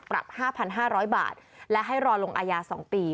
ปรับ๕๕๐๐บาทและให้รอลงอาญา๒ปี